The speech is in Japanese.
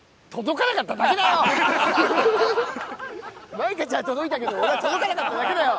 舞香ちゃんは届いたけど俺は届かなかっただけだよ！